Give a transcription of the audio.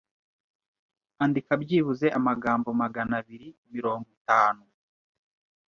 Andika byibuze amagambo magana abiri mirongo itanu.